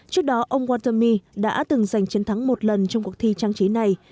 trước đó ông watami đã từng giành chiến thắng một lần trong cuộc thi trang trí này